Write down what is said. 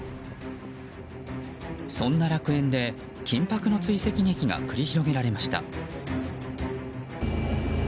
そんな楽園で、緊迫の追跡劇が繰り広げられました。